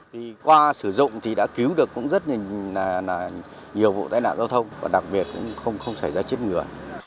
thì qua sử dụng thì đã cứu được cũng rất là nhiều vụ tai nạn giao thông và đặc biệt cũng không xảy ra chết người